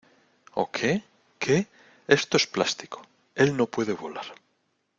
¿ Oh, qué? ¿ qué ? esto es plástico. él no puede volar .